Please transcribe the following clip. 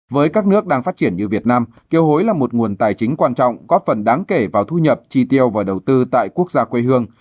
với các nước đang phát triển như việt nam kiều hối là một nguồn tài chính quan trọng góp phần đáng kể vào thu nhập chi tiêu và đầu tư tại quốc gia quê hương